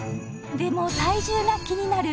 でも体重が気になる